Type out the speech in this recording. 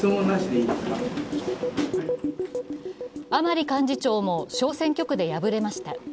甘利幹事長も小選挙区で敗れました。